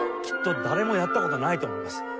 きっと誰もやった事ないと思います。